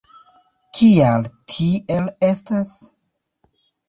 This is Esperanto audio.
Kial, tiel estas?